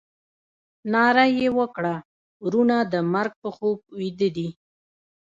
ناره یې وکړه ورونه د مرګ په خوب بیده دي.